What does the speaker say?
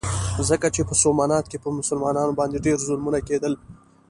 ځکه چې په سومنات کې په مسلمانانو باندې ډېر ظلمونه کېدل.